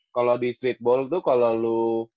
kalau di streetball tuh kalau lo